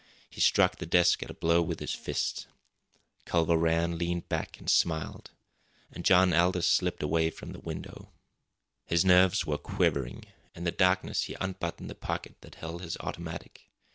He struck the desk a blow with his fist. Culver Rann leaned back and smiled. And John Aldous slipped away from the window. His nerves were quivering; in the darkness he unbuttoned the pocket that held his automatic.